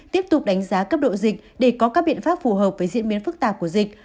tiếp tục đánh giá cấp độ dịch để có các biện pháp phù hợp với diễn biến phức tạp của dịch